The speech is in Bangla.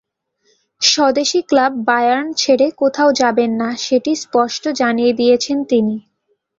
স্বদেশি ক্লাব বায়ার্ন ছেড়ে কোথাও যাবেন না, সেটি স্পষ্ট জানিয়ে দিয়েছেন তিনি।